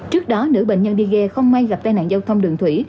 trước đó nữ bệnh nhân đi ghe không may gặp tai nạn giao thông đường thủy